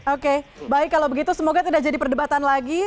oke baik kalau begitu semoga tidak jadi perdebatan lagi